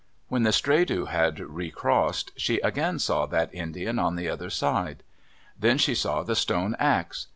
When the Stredu had recrossed, she again saw that Indian on the other side. Then she saw the stone ax.